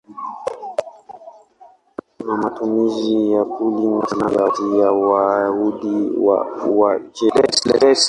Kuna matumizi ya kulingana kati ya Wayahudi wa Uajemi.